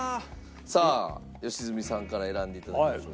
さあ良純さんから選んで頂きましょう。